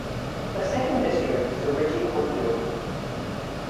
The second district is the Ritchey cornfield.